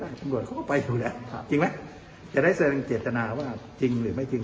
แล้วเขารู้จักก็ผสานแล้วอ๋อครับไปเจอก็ได้จังหรือไม่จริง